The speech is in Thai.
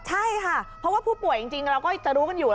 ใช่ค่ะเพราะว่าผู้ป่วยจริงเราก็จะรู้กันอยู่